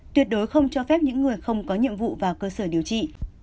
tuyệt đối không cho phép những người không có nhiệm vụ vào cơ sở điều trị